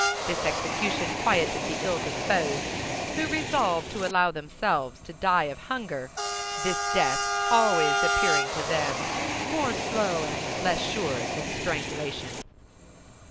This execution quieted the ill disposed, who resolved to allow themselves to die of hunger—this death always appearing to them more slow and less sure than strangulation.